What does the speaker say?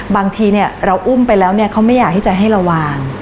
บางทีเราอุ้มไปแล้วเนี่ยเขาไม่อยากที่จะให้ระวัง